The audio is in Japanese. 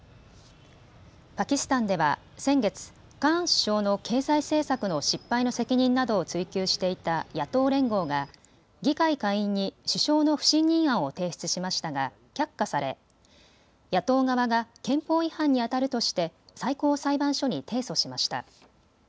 パキスタンでは先月、カーン首相の経済政策の失敗の責任などを追及していた野党連合が議会下院に首相の不信任案を提出しましたが却下され、野党側が憲法違反にあたるとして最高裁判所に提訴しました。